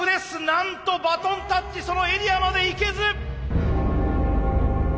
なんとバトンタッチそのエリアまで行けず！